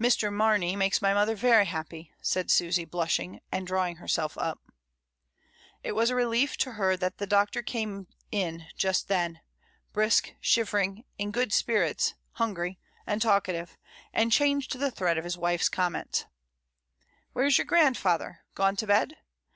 "Mr. Mamey makes my mother very happy," said Susy, blushing, and drawing herself up. It was a relief to her that the Doctor came in just then brisk, shivering, in good spirits, hungry, and talkative, and changed the thread of his wife's comments. "Where's your grandfather — gone to bed?